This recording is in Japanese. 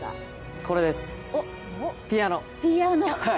これです、ピアノ。